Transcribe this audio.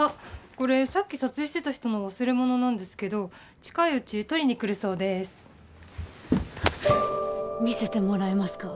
これさっき撮影してた人の忘れ物なんですけど近いうち取りに来るそうです見せてもらえますか？